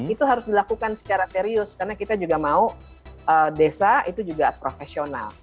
itu harus dilakukan secara serius karena kita juga mau desa itu juga profesional